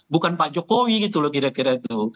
bukan pak jokowi gitu loh kira kira itu